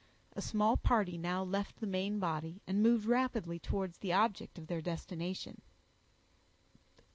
A small party now left the main body, and moved rapidly towards the object of their destination.